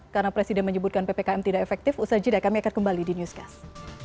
karena presiden menyebutkan ppkm tidak efektif usha jeda kami akan kembali di newscast